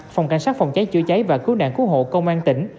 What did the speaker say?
phòng cảnh sát phòng cháy chữa cháy và cứu nạn cứu hộ công an tỉnh